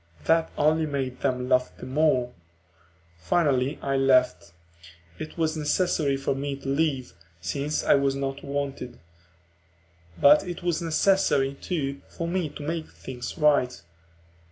That only made them laugh the more. Finally I left; it was necessary for me to leave, since I was not wanted. But it was necessary, too, for me to make things right.